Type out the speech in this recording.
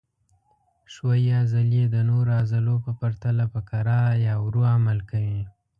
ښویې عضلې د نورو عضلو په پرتله په کراه یا ورو عمل کوي.